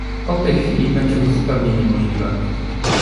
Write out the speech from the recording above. Od tej chwili będzie to zupełnie niemożliwe